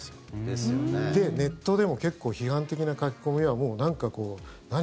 ネットでも結構批判的な書き込みはもう、なんか何？